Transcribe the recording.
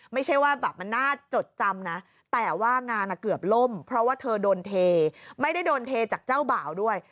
ไม่ใช่ว่าแบบมันน่าจดจำนะแต่ว่างานเกือบล่มเพราะว่าเธอโดนเทไม่ได้โดนเทจากเจ้าบ่าวด้วย